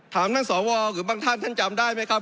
ท่านสวหรือบางท่านท่านจำได้ไหมครับ